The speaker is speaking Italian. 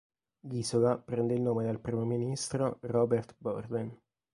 L'isola prende il nome dal primo ministro Robert Borden.